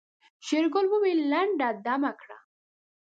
شېرګل وويل لنډه دمه کړه.